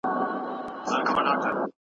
شېرينې! څه وکړمه زړه مې په زړه بد لگيږي